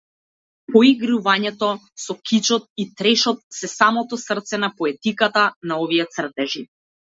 Поигрувањето со кичот и трешот се самото срце на поетиката на овие цртежи.